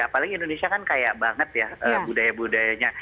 apalagi indonesia kan kaya banget ya budaya budayanya